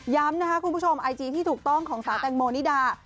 นะคะคุณผู้ชมไอจีที่ถูกต้องของสาวแตงโมนิดา